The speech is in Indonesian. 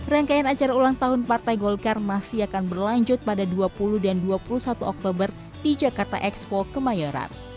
rangkaian acara ulang tahun partai golkar masih akan berlanjut pada dua puluh dan dua puluh satu oktober di jakarta expo kemayoran